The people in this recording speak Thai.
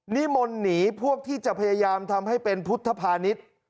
นิมนต์หนีพวกที่จะพยายามทำให้เป็นพุทธภานิษฐ์